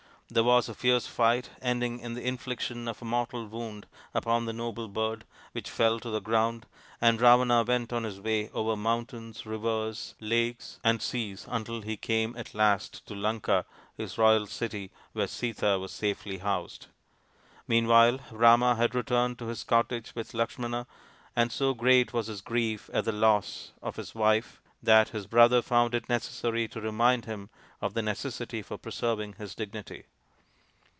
There was a fierce fight, ending in the infliction of a mortal wound upon the noble bird, which fell to the ground, and Ravana went on his way over mountains, rivers, lakes, and seas until he came at last to Lanka, his royal city, where Sita was safely housed. Meanwhile Rama had returned to his cottage with Lakshmana, and so great was his grief at the loss of his wife that his brother found it necessary to remind him of the necessity for preserving his dignity.